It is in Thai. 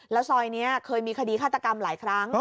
แล้วซอยนี้เคยมีคดีฆาตกรรมหลายครั้ง